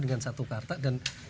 dengan satu kartu dan